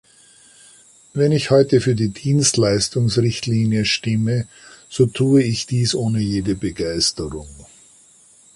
Wenn ich heute für die Dienstleistungsrichtlinie stimme, so tue ich dies ohne jede Begeisterung.